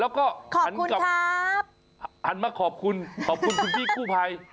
ขอบคุณครับหันมาขอบคุณขอบคุณคุณพี่กู้ภัย